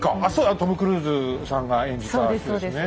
トム・クルーズさんが演じた人ですね。